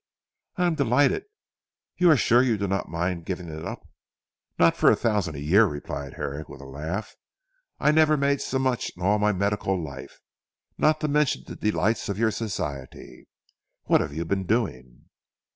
"I am delighted. You are sure you do not mind giving it up?" "Not for a thousand a year," replied Herrick with a laugh. "I never made so much in all my medical life. Not to mention the delights of your society. What have you been doing?"